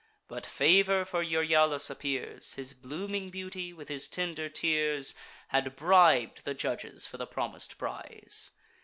But favour for Euryalus appears; His blooming beauty, with his tender tears, Had brib'd the judges for the promis'd prize.